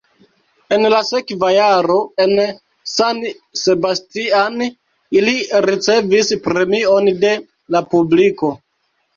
En la sekva jaro en San Sebastian ili ricevis premion de la publiko.